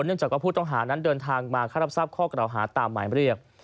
เนื่องจากว่าผู้ต้องหานั้นเดินทางมาเข้ารับทราบข้อกล่าวหาตามหมายเรียก